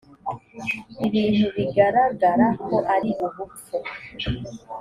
ibintu bigaragara ko ari ubupfu